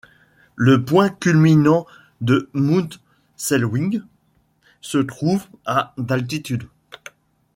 Le point culminant de Mount Selwyn se trouve à d'altitude.